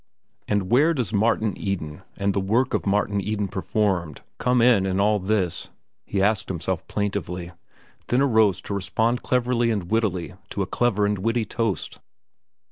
And where does Martin Eden and the work Martin Eden performed come in in all this? he asked himself plaintively, then arose to respond cleverly and wittily to a clever and witty toast.